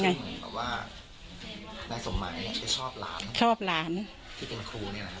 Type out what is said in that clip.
อันนี้ก็กลัวเขาจะมาทำร้ายหลานตัวเอง